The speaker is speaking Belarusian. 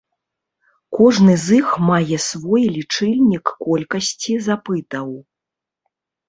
Кожны з іх мае свой лічыльнік колькасці запытаў.